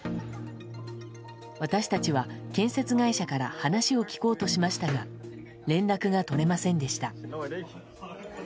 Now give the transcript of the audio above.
私たちは建設会社から話を聞こうとしましたが連絡が取れませんでした。